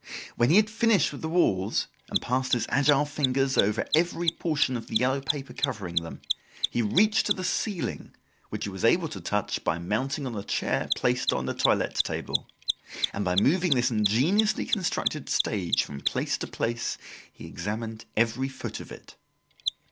When he had finished with the walls, and passed his agile fingers over every portion of the yellow paper covering them, he reached to the ceiling, which he was able to touch by mounting on a chair placed on the toilette table, and by moving this ingeniously constructed stage from place to place he examined every foot of it.